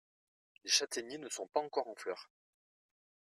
Les châtaigniers ne sont pas encore en fleur.